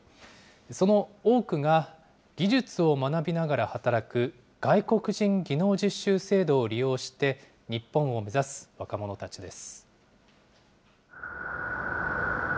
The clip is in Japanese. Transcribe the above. その多くが、技術を学びながら働く、外国人技能実習制度を利用して、日本を目指す若者たちです。